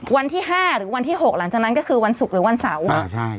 วันที่ห้าหรือวันที่๖หลังจากนั้นก็คือวันศุกร์หรือวันเสาร์